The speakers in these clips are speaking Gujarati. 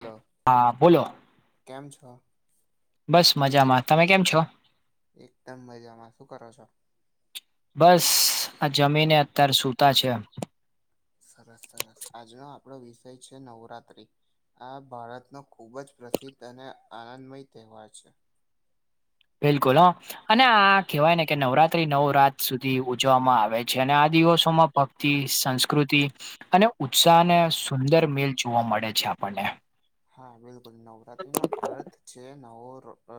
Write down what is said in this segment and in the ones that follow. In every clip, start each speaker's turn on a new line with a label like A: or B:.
A: હલો.
B: હા બોલો.
A: કેમ છો.
B: બસ મજામાં તમે કેમ છો
A: એકદમ મજામાં શું કરો છો.
B: બસ.
A: હા. [inaudible]
B: આ જમીને અત્યાર સૂતા છે.
A: સરસ સરસ આજનો આપણો વિષય છે નવરાત્રી આ ભારતનો ખૂબ જ પ્રસિદ્ધ અને આનંદમય તહેવાર છે.
B: બિલકુલ હો અને આ કહેવાય ને કે નવરાત. રાત્રિ નવ રાત સુધી ઉજવામાં આવે છે અને આ દિવસોમાં ભક્તિ સંસ્કૃતિ. અને ઉત્સાહ અને સુંદર મેલ જોવા મળે છે આપણને.
A: હા બિલકુલ નવરાત્રી નો અર્થ છે નવો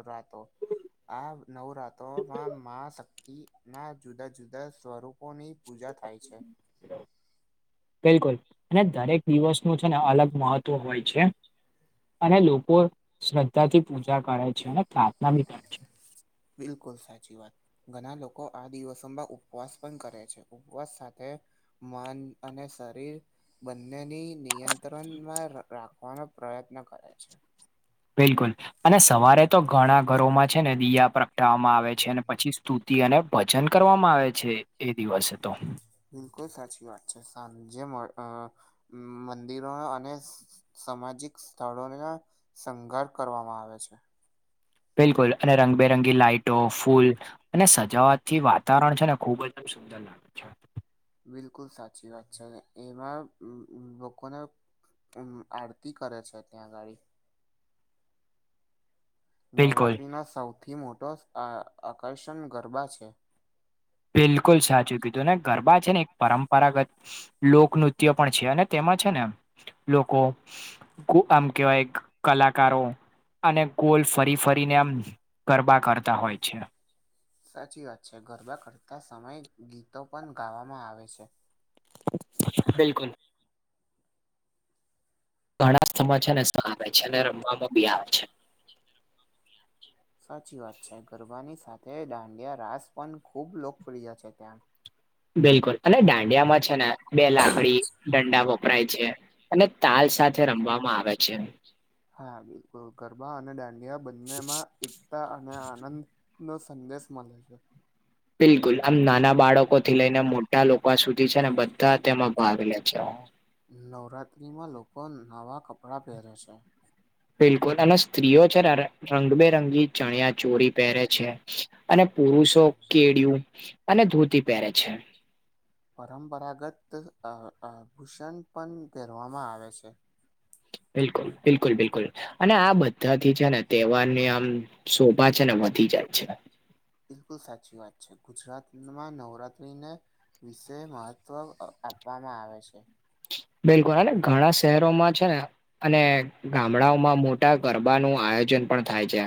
A: રાતો. આ નવરાત્રોમાં મા શક્તિના જુદા જુદા સ્વરૂપોની. પૂજા થાય છે.
B: બિલકુલ અને દરેક દિવસ નું છે ને અલગ મહત્વ હોય છે. અને લોકો શ્રદ્ધાથી પૂજા કરે છે અને પ્રાર્થના બી કરે છે.
A: બિલકુલ સાચી વાત. ઘણા લોકો આ દિવસોમાં ઉપવાસ પણ કરે છે ઉપવાસ સાથે. મન અને શરીર બંનેની. નિયંત્રણમાં રાખ રાખવાનો પ્રયત્ન કરે છે.
B: બિલકુલ અને સવારે તો ઘણા ઘરોમાં છે ને દીયા પ્રગટાવવામાં આવે છે અને પછી સ્તુતિ અને ભજન કરવામાં આવે છે એ દિવસે તો
A: બિલકુલ સાચી વાત છે સાજે મંદિરો અને સામાજિક સ્થળોના સંઘર્ષ કરવામાં આવે છે.
B: બિલકુલ અને રંગબેરંગી લાાઈટો ફૂલ અને સજાવાથી વાતાવરણ છે ને ખુબ જ ખુબ સુંદર લાગ
A: બિલકુલ સાચી વાત છે એમાં લોકોને ઉમ આરતી કરે છે ત્યાં ગાડી
B: બિલકુલ
A: નવરાત્રીનો સૌથી મોટો અ આકર્ષણ ગરબા છે.
B: બિલકુલ સાચું કીધું ને ગરબા છે ને એક પરંપરાગત લોકનૃત્ય પણ છે અને તેમાં છે ને લોકો ખૂબ આમ કેવાય કલાકારો અને ગોલ ફરી ફરીને આમ ગરબા કરતા હોય છે.
A: સાચી વાત છે ગરબા કરતાં સમયે ગીતો પણ ગાવામાં આવે છે.
B: બિલકુલ ઘણા સમાચાર ને સહ આવે છે અને રમવામાં બી આવે છે.
A: સાચી વાત છે ગરબાની સાથે દાંડિયા રાસ પણ ખૂબ લોકપ્રિય છે ત્યાં
B: બિલકુલ અને દાંડિયામાં છે ને બે લાકડી દંડા વપરાય છે. અને તાલ સાથે રમવામાં આવે છે.
A: હા, બિલકુલ ગરબા અને દાંડિયા બંનેમાં એક તા અને આનંદ નો સંદેશ મળે છે.
B: બિલકુલ, આમ નાના બાળકો થી લઈને મોટા લોકો સુધી છે ને બધા તેમાં ભાગ લે છે.
A: નવરાત્રીમાં લોકો નવાં કપડાં પહેરે છે.
B: બિલકુલ અને સ્ત્રીઓ છે રંગબેરંગી ચણિયા ચોરી પહેરે છે. અને પુરુષો કેળિયું અને ધોતી પહેરે છે.
A: પરંપરાગત અ અ ભૂષણ પણ કહેરવામાં આવે છે.
B: બિલકુલ, બિલકુલ, બિલકુલ. અને આ બધા થી છે ને તહેવાર ની આમ શોભા છે ને વધી જાય છે.
A: બિલકુલ સાચી વાત છે, ગુજરાતમાં નવરાત્રીને વિશે મહત્વ આપવામાં આવે છે.
B: બિલકુલ અન ઘણા શહેરોમાં છે ને અને ગામડાઓમાં મોટા ગરબા નું આયોજન પણ થાય છે.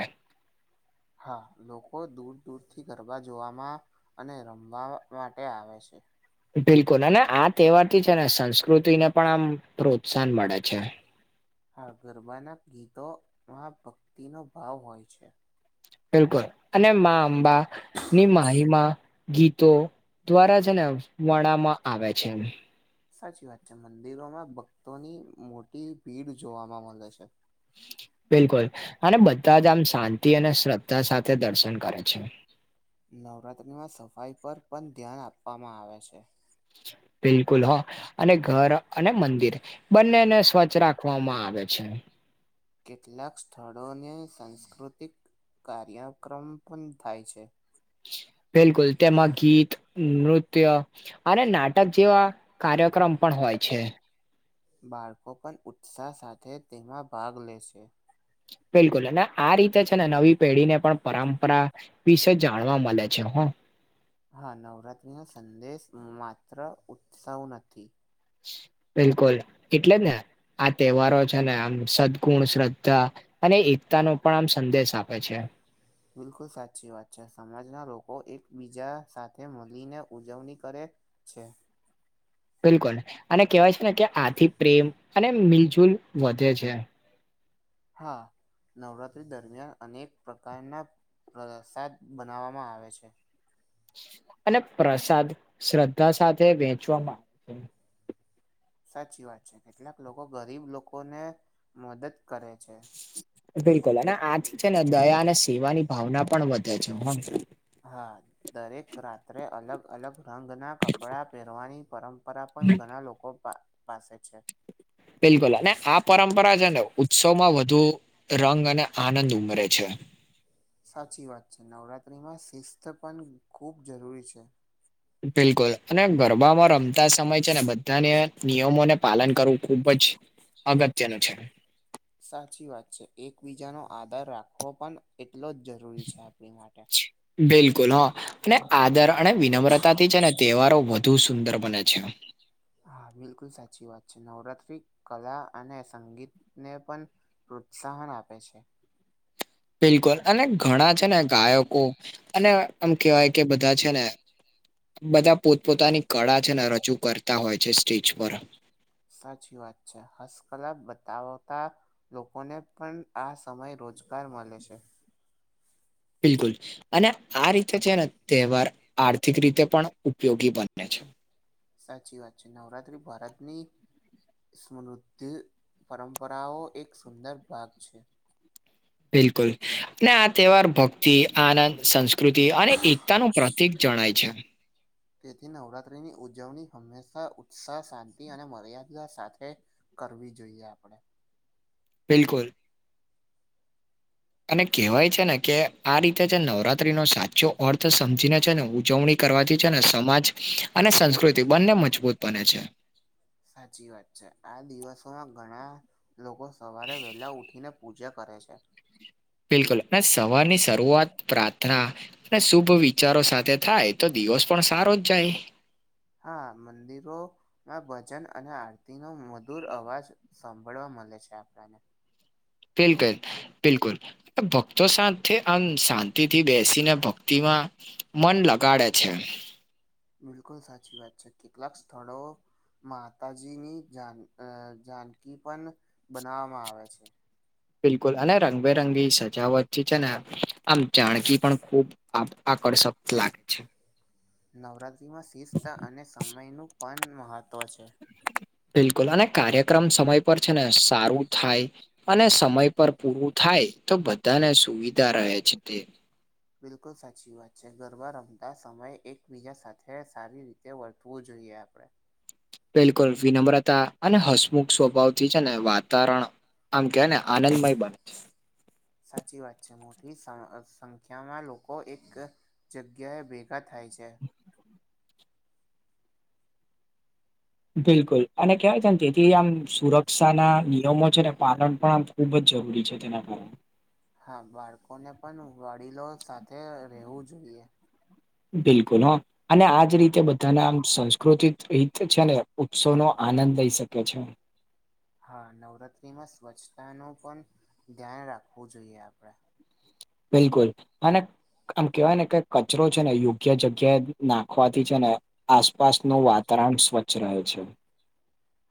A: હા, લોકો દૂર દૂર થી ગરબા જોવામાં અને રમવા માટે આવે છે.
B: બિલકુલ અને આ તહેવાર થી છે ને સંસ્કૃતિ ને પણ આમ પ્રોત્સાહન મળે છે.
A: હા, ગરબાના ગીતોમાં ભક્તિનો ભાવ હોય છે.
B: બિલકુલ અને મા અંબા ની માહીમાં. ગીતો દ્વારા છે ને વણમાં આવે છે એ.
A: સાચી વાત છે, મંદિરોમાં ભક્તોની મોટી ભીડ જોવાવામાં મળે છે.
B: બિલકુલ અને બધા જ આમ શાંતિ અને શ્રદ્ધા સાથે દર્શન કરે છે.
A: નવરાત્રિમાં સફાઈ પર પણ ધ્યાન આપવામાં આવે છે.
B: બિલકુલ હા અને ઘર અને મંદિર બંનેને સ્વચ્છ રાખવામાં આવે છે.
A: કેટલાક સ્થળોને સાંસ્કૃતિક કાર્યક્રમ પણ થાય છે.
B: બિલકુલ તેમાં ગીત, નૃત્ય અને નાટક જેવા કાર્યક્રમ પણ હોય છે.
A: બાળકો પણ ઉત્સાહ સાથે તેમાં ભાગ લે છે.
B: બિલકુલ અન આ રીતે છે ને નવી પેઢીને પણ પરંપરા વિશે જાણવા મળે છે હ.
A: હા, નવરાત્રીનો સંદેશ માત્ર ઉત્સવ નથી.
B: બિલકુલ એટલે ને આ તહેવારો છે ને આમ સદગુણ, શ્રદ્ધા અને એકતા નો પણ આમ સંદેશ આપે છે..
A: બિલકુલ સાચી વાત છે, સમાજના લોકો એકબીજા સાથે મળીને ઉજવણી કરે છે.
B: બિલકુલ અને કહેવાય છે ને કે આથી પ્રેમ અને મિલજુલ વધે છે.
A: હા. નવરાત્રી દરમિયાન અનેક પ્રકારના પ્રસાદ બનાવવામાં આવે છે.
B: અને પ્રસાદ શ્રદ્ધા સાથે વેચવામાં
A: સાચી વાત છે, કેટલાક લોકો ગરીબ લોકોને મદદ કરે છે.
B: બિલકુલ અને આથી છે ને દયા અને સેવાની ભાવના પણ વધે છે હો.
A: હા, દરેક રાત્રે અલગ અલગ રંગના કપડાં પહેરવાની પરં પરા પણ ઘણા લોકો પા પાસે છે.
B: બિલકુલ અને આ પરંપરા છે ને ઉત્સવમાં વધુ રંગ અને આનંદ ઉમેરે છે.
A: સાચી વાત છે. નવરાતિમાં શિસ્ત પણ ખૂબ જરૂરી છે.
B: બિલકુલ અને ગરબામાં રમતા સમય છે ને બધાને નિયમોને પાલન કરવું ખુબ જ અગત્યનું છે.
A: સાચી વાત છે. એકબીજાનો આધાર રાખવો પણ એટલો જ જરૂરી છે આપણી માટે.
B: બિલકુલ હા ને આદર અને વિનમ્રતાથી છે ને તહેવારો વધુ સુંદર બને છે.
A: હા, બિલકુલ સાચી વાત છે. નવરાત્રી કલા અને સંગીત ને પણ પ્રોત્સાહન આપે છે.
B: બિલકુલ અને ઘણા છે ને ગાયકો અને આમ કેહેવાય કે બધા છે ને બધા પોતપોતાની કળા છે ને રજૂ કરતા હોય છે સ્ટેજ પર.
A: સાચી વાત છે. હસકલા બતાવતા લોકોને પણ આ સમયે રોજગાર મલે છે.
B: બિલકુલ. અને આ રીતે છે ને તહેવાર આર્થિક રીતે પણ ઉપયોગી બને છે.
A: સાચી વાત છે. નવરાત્રી ભારતની સમૃદ્ધિ પરંપરાઓ એક સુંદર ભાગ છે.
B: બિલકુલ ને આ તહેવાર ભક્તિ આનંદ સંસ્કૃ કૃતિ અને એકતા નું પ્રતિક જણાય છે.
A: તેથી નવરાત્રીની ઉજવણી હંમેશા ઉત્સાહ શાંતિ અને મર્યાદા સાથે કરવી જોઈએ આપડે.
B: બિલકુલ. અને કહેવાય છે ને કે આ રીતે જે નવરાત્રી નો સાચો અર્થ સમજીને છે ને ઉજવણી કરવાથી છે ને સમાજ અને સંસ્કૃતિ બંને મજબૂત બને છે.
A: સાચી વાત છે. આ દિવસોના ઘણા લોકો સવારે વેલા ઉઠીને પૂજા કરે છે.
B: બિલકુલ અને સવારની શરૂઆત પ્રાર્થના લે શુભ વિચારો સાથે થાય તો દિવસ પણ સારો જ જાય.
A: હા, મંદિરો ના ભજન અને આરતી નો મધુર અવાજ સાંભળવા મલે છે આપણને.
B: તેલ કે બિલકુલ. ભક્તો સાથે આમ શાંતિથી બેસીને ભક્તિમાં મન લગાડે છે.
A: બિલકુલ સાચી વાત છે. કેટલાક સ્થળો માતાજીની જાન અહ જાનકી પણ બનાવામાં આવે છે.
B: બિલકુલ અને રંગબેરંગી સજાવટથી છે ને આમ જાણકી પણ ખૂબ આપ આકર્ષક લાગે છે.
A: નવરાત્રીમાં શિસ્તા અને સમયનું પણ મહત્ત્વ છે.
B: બિલકુલ અને કાર્યક્રમ સમય પર છે ને સારું થાય અને સમય પર પૂરું થાય તો બધાને સુવિધા રહે છે તે.
A: બિલકુલ સાચી વાત છે. ગરબા રમતા સમય એકબીજા સાથે સારી રીતે વર્તવું જોઈએ આપડે.
B: બિલકુલ વિનમ્રતા અને હસમુખ સ્વભાવથી છે ને વાતાવરણ આમ કેને આનંદમય બન.
A: સાચી વાત છે. મોટી સ અહ સંખ્યામાં લોકો એક જગ્યાએ ભેગા થાય છે.
B: બિલકુલ અને કેહેવાય છેને તેથી આમ સુરક્ષા ના નિયમો છે ને પાલન પણ આમ ખુબ જ જરૂરી છે તેના કારણે.
A: હા બાળકોને પણ વડીલો સાથે રહેવું જોઈએ.
B: બિલકુલ હા અને આજ રીતે બધાના આમ સંસ્કૃતીક રીતે છે ને ઉત્સવ નો આનંદ લઈ શકે છે.
A: હા નવરાત્રિમાં સ્વચ્છતાનું પણ ધ્યાન રાખવું જોઈએ આપણેે.
B: બિલકુલ અને આમ કહેવાય ને કે કચરો છે ને યોગ્ય જગ્યાએ નાખવાથી છે ને આસપાસનું વાતાવરણ સ્વચ્છ રહે છે.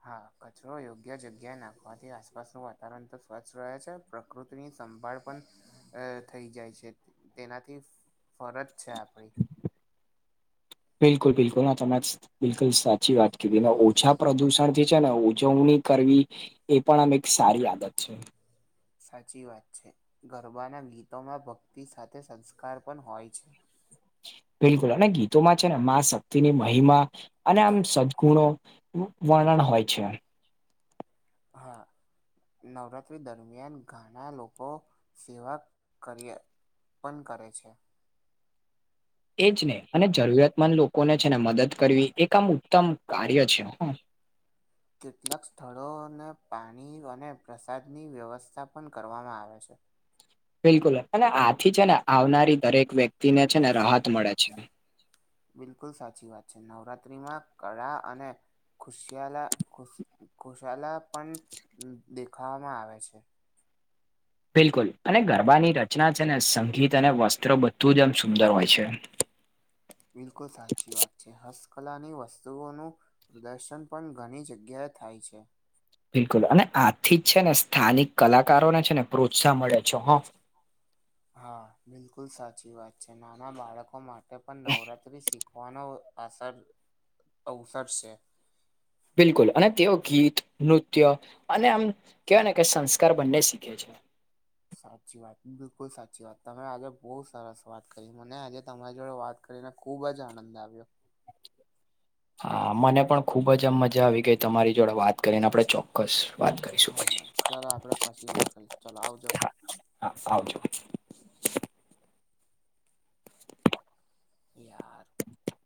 A: હા કચરો યોગ્ય જગ્યાએ નાખવાથી આસપાસનું વાતાવરણ તો સ્વચ્છ રહે છે પ્રકૃતિની સંભાળ પણ થઈ જાય છે તેનાથી ફરજ છે આપડી
B: બિલકુલ બિલકુલ [inaudible] બિલકુલ સાચી વાત કીધીને ઓછા પ્રદુષણ થી છે ને ઉજવણી કરવી એ પણ આમ એક સારી આદત છે.
A: સાચી વાત છે ગરબાના ગીતોમાં ભક્તિ સાથે સંસ્કાર પણ હોય છે.
B: બિલકુલ અને ગીતોમાં છે ને મા શક્તિની મહિમા અને આમ સદગુણો વર્ણન હોય છે.
A: હા નવરાત્રિ દરમિયાન ઘણા લોકો સેવા કરીયા પણ કરે છે
B: એ જ ને અને જરૂરીયાતમંદ લોકોને છેને મદદ કરવી એક આમ ઉત્તમ કાર્ય છે.
A: કેટલાક સ્થળોને પાણી અને પ્રસાદની વ્યવસ્થા પણ કરવામાં આવે છે.
B: બિલકુલ અને આથી છે ને આવનારી દરેક વ્યક્તિ ને છે ને રાહત મળે છે.
A: બિલકુલ સાચી વાત છે નવરાત્રીમાં કળા અને ખુશિયાલા ખુશ ખુશલા પણ દેખાવામાં આવે છે.
B: બિલકુલ અને ગરબાની રચના છે ને સંગીત અને વસ્ત્ર બધું જ આમ સુંદર હોય છે.
A: [inaudible] બિલકુલ સાચી વાત જે હસ્તકલાની વસ્તુઓનું પ્રદર્શન પણ ઘણી જગ્યાએ થાય છે.
B: બિલકુલ અને આથી જ છે ને સ્થાનિક કલાકારોને છે ને પ્રોત્સાહન મળે છે હ
A: હા બિલકુલ સાચી વાત છે નાના બાળકો માટે પણ નવરાત્રી શી માનવ અસર અવસર છે.
B: બિલકુલ અને તેઓ ગીત નૃત્ય અને આમ કહેવાય ને કે સંસ્કાર બંને શીખે છે.
A: સાચી વાત બિલકુલ સાચી વાત તમે આજે બહુ સરસ વાત કરી મને આજે તમારી જોડે વાત કરીને ખુબ જ આનંદ આવ્યો.
B: હા મને પણ ખુબ જ આમ મજા આવી ગઈ તમારી જોડે વાત કરીને આપડે ચોક્કસ વાત કરીશું
A: હા
B: પછી
A: ચલો આપડે પછી વાત કરીશું ચાલો આવજો
B: હા હા આવજો
A: યાર
B: [inaudible]